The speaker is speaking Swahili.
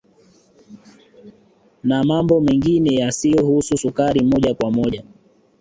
Na mambo mengine yasiyohusu sukari moja kwa moja